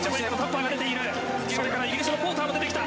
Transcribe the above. イギリスのポーターも出てきた。